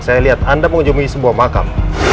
saya lihat anda mengunjungi sebuah makam